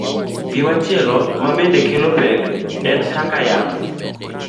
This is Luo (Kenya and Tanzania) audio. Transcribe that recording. Gimachielo mabende kelo pek en kaka yamo